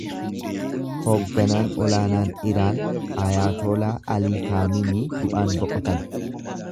Hogganaan olaanaan Iraan Ayaatolaa Alii Kaaminii du'aan boqotan.